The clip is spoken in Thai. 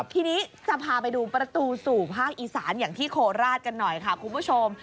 ทีนี้จะพาไปดูประตูสู่ภาคอีสานอย่างที่โคราชกันหน่อยค่ะคุณผู้ชม